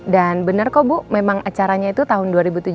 dan benar kok bu memang acaranya itu tahun dua ribu tujuh belas